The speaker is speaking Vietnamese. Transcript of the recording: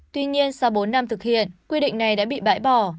tuy nhiên sau bốn năm thực hiện quy định này đã bị bãi bỏ